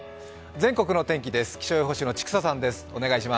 全国の天気です。